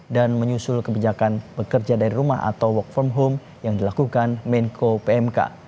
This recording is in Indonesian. dan menyusul kebijakan bekerja dari rumah atau work from home yang dilakukan menko pmk